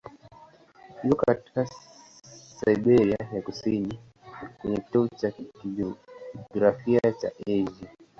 Iko katika Siberia ya kusini, kwenye kitovu cha kijiografia cha Asia.